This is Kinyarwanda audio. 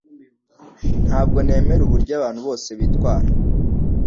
Ntabwo nemera uburyo abantu bose bitwara